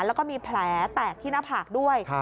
แล้วก็มีแผลแตกที่หน้าผากด้วย